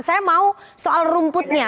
saya mau soal rumputnya